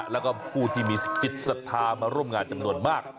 แล้วก็ผู้ที่มีจิตศรัทธามาร่วมงานจำนวนมาก